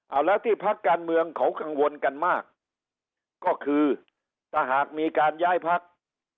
เอาแล้วที่พักการเมืองเขากังวลกันมากก็คือถ้าหากมีการย้ายพัก